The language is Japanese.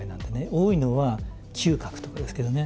多いのは嗅覚とかですけどね。